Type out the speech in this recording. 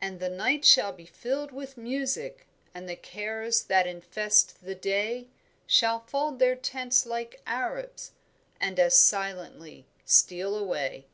"And the night shall be filled with music, And the cares that infest the day Shall fold their tents like the Arabs, And as silently steal away."